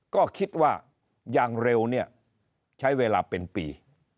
ก็คิดว่าอย่างเร็วเนี่ยใช้เวลาเป็นปี